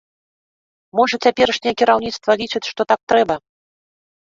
Можа, цяперашняе кіраўніцтва лічыць, што так трэба?